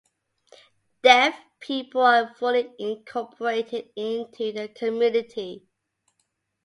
Deaf people are fully incorporated into the community.